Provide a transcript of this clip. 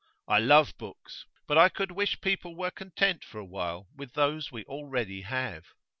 I love books, but I could wish people were content for a while with those we already have.